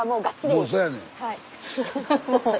もうそうやねん。